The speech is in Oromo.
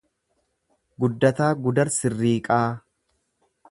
Guddataa Gudar Sirriiqaa